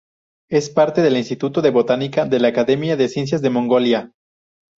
Es parte del Instituto de Botánica de la Academia de Ciencias de Mongolia.